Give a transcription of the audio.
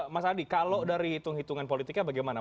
mas adi kalau dari hitung hitungan politiknya bagaimana